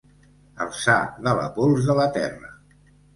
Alçar de la pols de la terra.